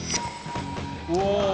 うわ。